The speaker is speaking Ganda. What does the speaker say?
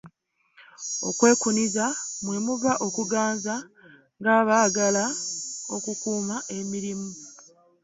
Okwekuniza mwemuva okuganza nga baagala okukuuma emirimu.